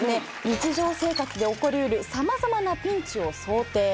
日常生活で起こりうる様々なピンチを想定。